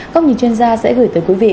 các nghìn chuyên gia sẽ gửi tới quý vị